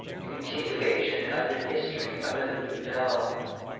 CONTINUATION OF THE HISTORY OF A LOUIS D'OR M.